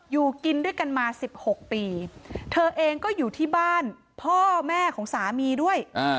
อยู่กินด้วยกันมาสิบหกปีเธอเองก็อยู่ที่บ้านพ่อแม่ของสามีด้วย